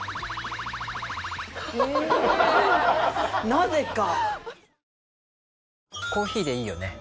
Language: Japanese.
なぜか。